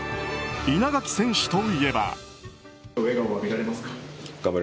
稲垣選手といえば。